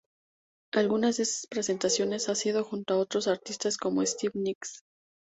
Algunas de estas presentaciones ha sido junto a otros artistas, como Stevie Nicks.